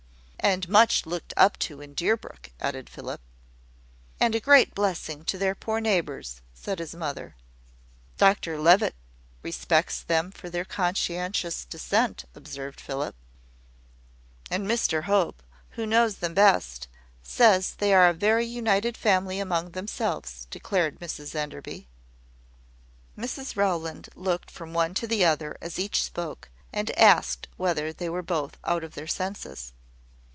"And much looked up to in Deerbrook," added Philip. "And a great blessing to their poor neighbours," said his mother. "Dr Levitt respects them for their conscientious dissent," observed Philip. "And Mr Hope, who knows them best, says they are a very united family among themselves," declared Mrs Enderby. Mrs Rowland looked from one to the other as each spoke, and asked whether they were both out of their senses.